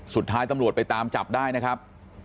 สุดท้ายตำรวจไปตามจับได้นะครับ